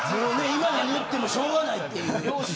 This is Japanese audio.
もうね今なに言ってもしょうがないっていう。